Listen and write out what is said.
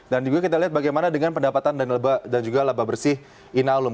dan juga kita lihat bagaimana dengan pendapatan dan juga laba bersih inalum